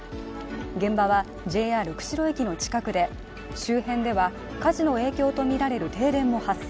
現場はＪＲ釧路駅の近くで周辺では火事の影響とみられる停電も発生。